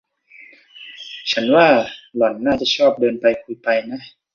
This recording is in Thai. ฉันว่าหล่อนน่าจะชอบเดินไปคุยไปนะ